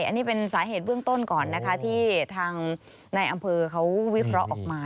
อันนี้เป็นสาเหตุเบื้องต้นก่อนนะคะที่ทางในอำเภอเขาวิเคราะห์ออกมา